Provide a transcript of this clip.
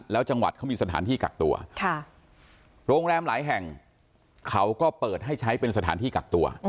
แล้วจังหวัดเขามีสถานที่กักตัวโรงแรมหลายแห่งเขาก็เปิดให้ใช้เป็นสถานที่กักตัว